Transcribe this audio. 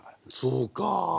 そうか。